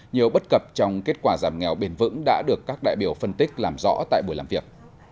nhiều bất cập trong kết quả giảm nghèo bền vững đã được các đại biểu phân tích làm rõ tại buổi làm việc